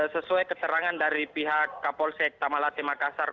sesuai keterangan dari pihak kapolsek tata malate makassar